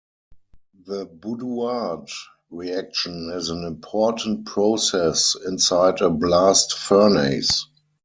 The Boudouard reaction is an important process inside a blast furnace.